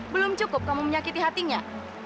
belum cukup kamu menyakiti hatinya